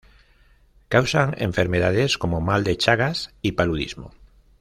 Causan enfermedades como: mal de Chagas y paludismo.